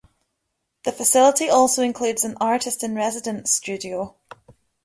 The facility also includes an artist-in-residence studio.